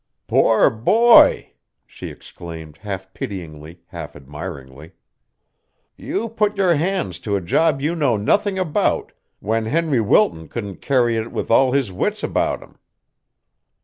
"Poor boy!" she exclaimed half pityingly, half admiringly. "You put your hands to a job you know nothing about, when Henry Wilton couldn't carry it with all his wits about him."